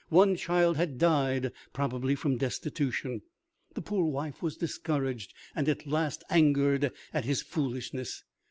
One child had died, probably from destitution. The poor wife was discouraged, and at last angered at his foolishness.